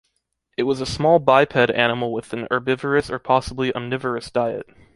It was a small biped animal with a herbivorous or possibly omnivorous diet.